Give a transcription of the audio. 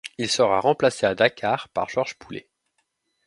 Il sera remplacé à Dakar par Georges Poulet.